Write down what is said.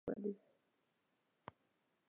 ژمنتیا پالنه په ژوند کې نظم راولي.